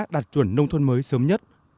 đặt chuẩn nông thôn mới sớm nhất